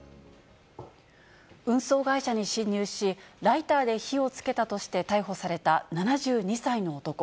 運送会社に侵入し、ライターで火をつけたとして逮捕された７２歳の男。